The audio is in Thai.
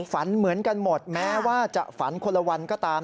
ฝันเหมือนกันหมดแม้ว่าจะฝันคนละวันก็ตาม